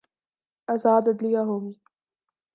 آزاد عدلیہ ہو گی۔